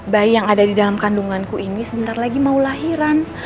bayi yang ada di dalam kandunganku ini sebentar lagi mau lahiran